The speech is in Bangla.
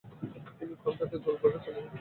তিনি কর্ণাটকের গুলবার্গায় চলে যান।